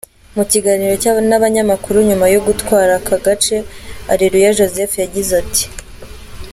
Mu kiganiro n’abanyamakuru nyuma yo gutwara aka gace, Areruya Joseph yagize ati.